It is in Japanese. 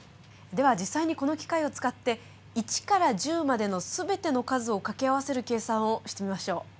では実際にこの機械を使って１から１０までの全ての数を掛け合わせる計算をしてみましょう。